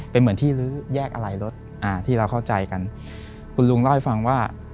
เป็นเหมือนที่ลื้อแยกอะไรรถอ่าที่เราเข้าใจกันคุณลุงเล่าให้ฟังว่า